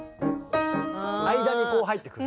間にこう入ってくる。